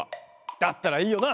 だったらいいよな。